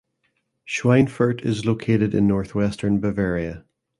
Schweinfurt is located in northwestern Bavaria.